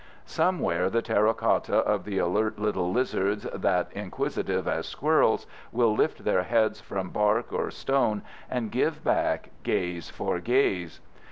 Some wear the terra cotta of the alert little lizards that, inquisitive as squirrels, will lift their heads from bark or stone and give back gaze for gaze.